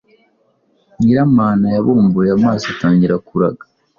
Nyiramana yabumbuye amaso atangira kuraga